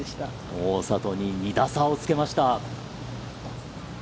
大里に２打差をつけました。